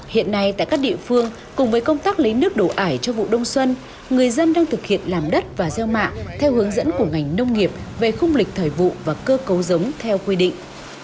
hiện nay tại các địa phương cùng với công tác lấy nước đổ ải cho vụ đông xuân người dân đang thực hiện làm đất và gieo mạ theo hướng dẫn của ngành nông nghiệp về khung lịch thời vụ và cơ cấu giống theo quy định